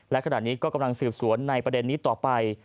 และขณะนี้ก็กำลังสืบสวนในประเด็นนี้ต่อไป